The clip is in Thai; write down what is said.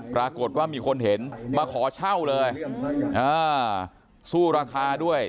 ปรากฏว่ามีคนเห็นมาขอเช่าเลยสู้ราคาด้วย